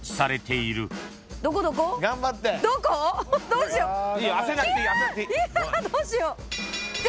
いやどうしよう。